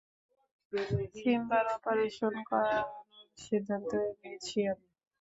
সিম্বার operation করানোর সিদ্ধান্ত নিয়েছি আমি।